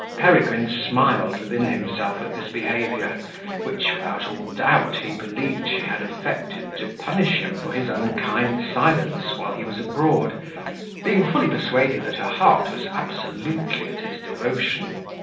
Peregrine smiled within himself at this behaviour, which, without all doubt, he believed she had affected to punish him for his unkind silence while he was abroad, being fully persuaded that her heart was absolutely at his devotion.